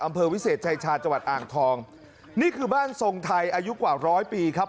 อำเภอวิเศษชายชาจังหวัดอ่างทองนี่คือบ้านทรงไทยอายุกว่าร้อยปีครับ